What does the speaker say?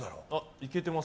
いけてます。